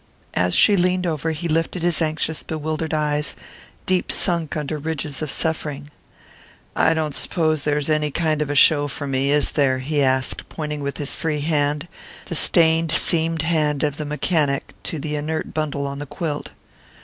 As she leaned over, he lifted his anxious bewildered eyes, deep sunk under ridges of suffering. "I don't s'pose there's any kind of a show for me, is there?" he asked, pointing with his free hand the stained seamed hand of the mechanic to the inert bundle on the quilt.